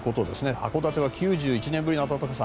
函館は９１年ぶりの暖かさ。